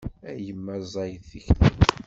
A yemma ẓẓayet tikli.